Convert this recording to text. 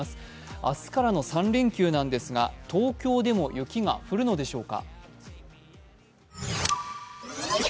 明日からの３連休なんですが、東京でも雪が降るのでしょうか。